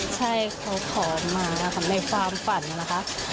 ใช่เขาขอมานะคะในความฝันนะคะ